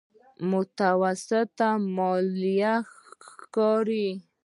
متوسطه ماليه ښکاري.